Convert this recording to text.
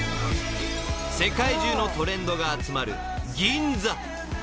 ［世界中のトレンドが集まる］